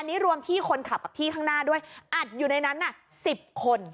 อันนี้รวมพี่คนขับกับที่ข้างหน้าด้วยอัดอยู่ในนั้นน่ะ๑๐คน